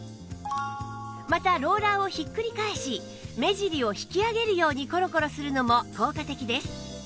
またローラーをひっくり返し目尻を引き上げるようにコロコロするのも効果的です